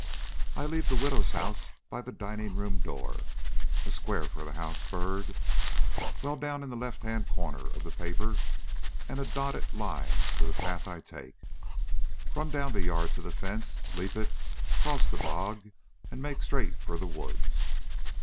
"I leave the widow's house by the dining room door a square for the house, Byrd, well down in the left hand corner of the paper, and a dotted line for the path I take, run down the yard to the fence, leap it, cross the bog, and make straight for the woods."